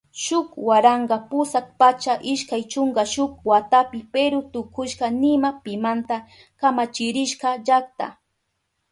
Shuk waranka pusak pachak ishkay chunka shuk watapi Peru tukushka nima pimanta kamachirishka llakta.